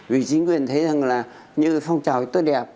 vì chính quyền thấy rằng là những cái phong trào tốt đẹp